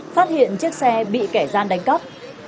phát hiện chiếc xe bị kẻ gian đánh cắp